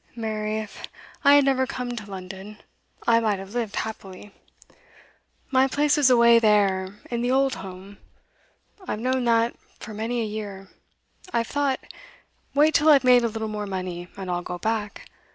Mary, if I had never come to London, I might have lived happily. My place was away there, in the old home. I've known that for many a year. I've thought: wait till I've made a little more money, and I'll go back.